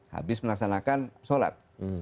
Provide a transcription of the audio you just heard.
habis melaksanakan sholat